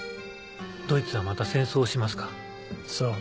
ドイツはまた戦争をしますか？